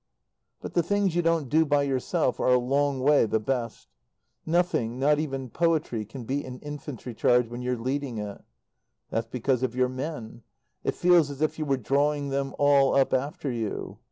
But the things you don't do by yourself are a long way the best. Nothing not even poetry can beat an infantry charge when you're leading it. That's because of your men. It feels as if you were drawing them all up after you.